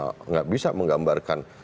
tidak bisa menggambarkan